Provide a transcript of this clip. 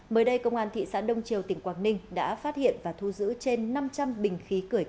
mới đây công an thị xã đông triều tỉnh quảng ninh đã phát hiện và thu giữ trên năm trăm linh bình khí cười